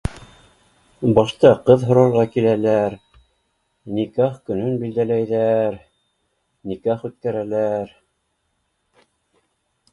Башта ҡыҙ һорарға киләләр, никах көнөн билдәләйҙәр, никах үткәрәләр